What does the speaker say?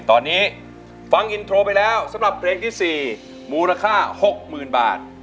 ตอนนี้ฟังอินโทรไปแล้วสำหรับเพลงที่๔มูลค่า๖๐๐๐บาท